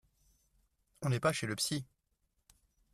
On n’est pas chez le psy